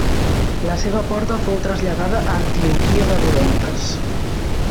La seva porta fou traslladada a Antioquia de l'Orontes.